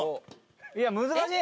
いや難しい！